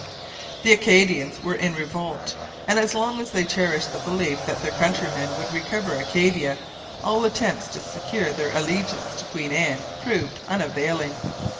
The Acadians were in revolt; and as long as they cherished the belief that their countrymen would recover Acadia, all attempts to secure their allegiance to Queen Anne proved unavailing.